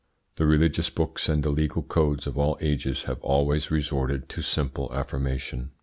The religious books and the legal codes of all ages have always resorted to simple affirmation.